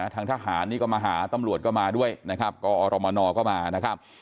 ทางทหารนี่ก็มาหาตำรวจก็มาด้วยนะครับกอรมนก็มานะครับ